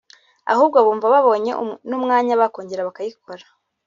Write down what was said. ahubwo bumva babonye n’umwanya bakongera bakayikora